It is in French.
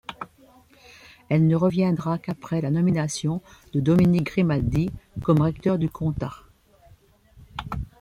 Elle ne viendra qu’après la nomination de Dominique Grimaldi comme recteur du Comtat.